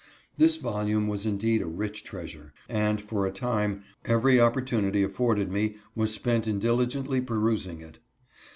This volume was indeed a rich treasure, and, for a time, every opportunity afforded me was spent in diligently perusing it.